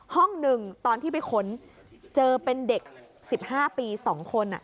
ห้องหนึ่งตอนที่ไปค้นเจอเป็นเด็ก๑๕ปี๒คน